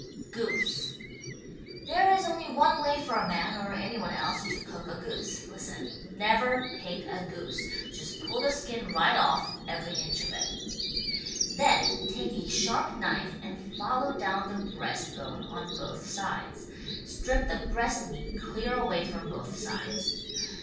GOOSE There is only one way for a man, or any one else, to cook a goose. Listen : Never pick a goose ! Just pull the skin right off — every inch of it. Then take a sharp knife and follow down the breast bone on both sides. Strip the breast meat clear away from both sides.